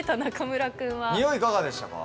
ニオイいかがでしたか？